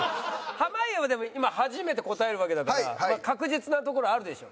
濱家はでも今初めて答えるわけだから確実なところあるでしょ。